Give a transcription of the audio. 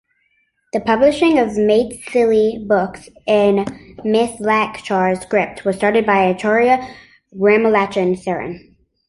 The publishing of Maithili books in Mithilakshar script was started by Acharya Ramlochan Saran.